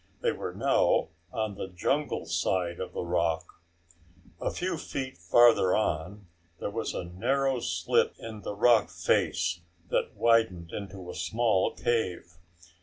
They were now on the jungle side of the rock. A few feet farther on, there was a narrow slit in the rock face that widened into a small cave.